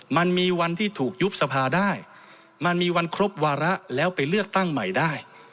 มันมีวันที่ถูกยุบสภาได้มันมีวันครบวาระแล้วไปเลือกตั้งใหม่ได้